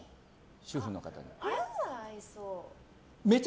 主婦の方に。